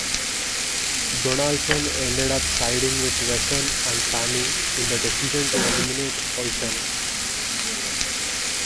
Donaldson ended up siding with Wesson and Famie in the decision to eliminate Olson.